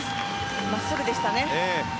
真っすぐでしたね。